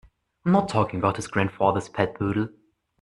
I'm not talking about his grandfather's pet poodle.